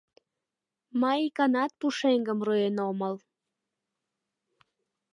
— Мый иканат пушеҥгым руэн омыл.